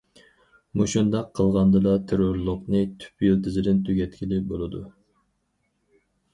مۇشۇنداق قىلغاندىلا تېررورلۇقنى تۈپ يىلتىزىدىن تۈگەتكىلى بولىدۇ.